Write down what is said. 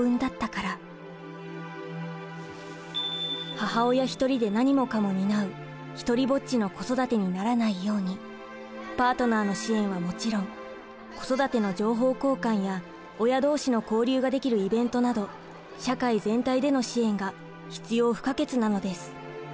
母親一人で何もかも担う独りぼっちの「孤育て」にならないようにパートナーの支援はもちろん子育ての情報交換や親同士の交流ができるイベントなど社会全体での支援が必要不可欠なのです。